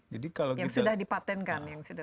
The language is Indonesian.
yang sudah dipatenkan